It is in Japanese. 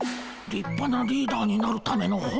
「リッパなリーダーになるための本」？